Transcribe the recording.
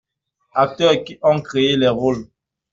Acteurs qui ont créé les rôles.